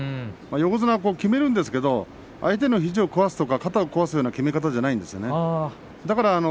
横綱は、きめるんですけれど相手の肘を壊すとか肩を壊すような、きめ方ではないんですよね。